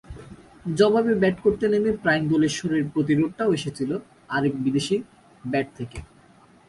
জবাবে ব্যাট করতে নেমে প্রাইম দেলোশ্বরের প্রতিরোধটাও এসেছিল আরেক বিদেশির ব্যাট থেকে।